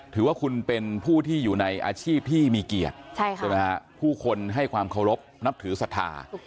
ถือว่าคุณเป็นผู้ที่อยู่ในอาชีพที่มีเกียรติใช่ไหมฮะผู้คนให้ความเคารพนับถือศรัทธา